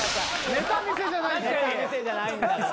ネタ見せじゃないんだから。